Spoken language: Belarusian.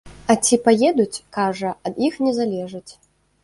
А ці паедуць, кажа, ад іх не залежыць.